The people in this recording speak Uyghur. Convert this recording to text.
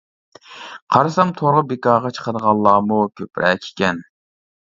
قارىسام تورغا بىكارغا چىقىدىغانلارمۇ كۆپرەك ئىكەن.